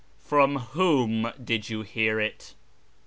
From whom did you hear it